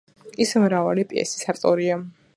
ის მრავალი პიესის ავტორია.